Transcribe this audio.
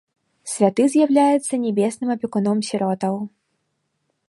Святы з'яўляецца нябесным апекуном сіротаў.